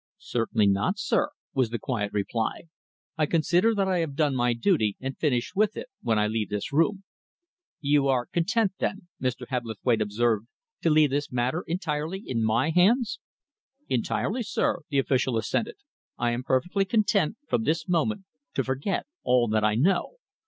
"Certainly not, sir," was the quiet reply. "I consider that I have done my duty and finished with it, when I leave this room." "You are content, then," Mr. Hebblethwaite observed, "to leave this matter entirely in my hands?" "Entirely, sir," the official assented. "I am perfectly content, from this moment, to forget all that I know.